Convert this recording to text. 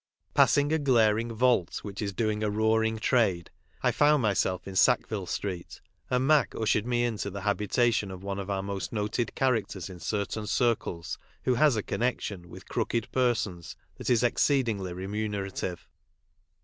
Passing a glaring " vault," which is doing a roaring trade, I found myself in Sackville street, and Mac ushered me into the habitation of one of our most noted characters in certain circles, who has a con nection with « crooked " persons that is exceedingly remunerative.